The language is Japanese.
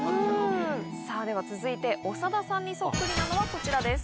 さぁでは続いて長田さんにそっくりなのはこちらです。